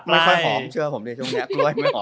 ไม่ค่อยหอมเชื่อผมดิช่วงนี้กล้วยไม่หอม